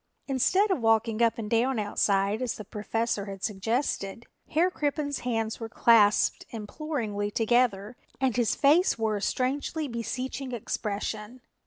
Instead of walking up and down outside as the Professor had suggested, Herr Crippen's hands were clasped imploringly together and his face wore a strangely beseeching expression.